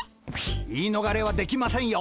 言い逃れはできませんよ。